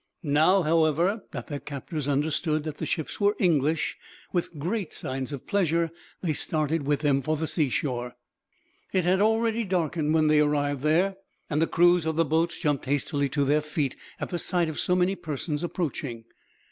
Now, however, that their captors understood that the ships were English, with great signs of pleasure they started with them for the seashore. It had already darkened when they arrived there, and the crews of the boats jumped hastily to their feet, at the sight of so many persons approaching.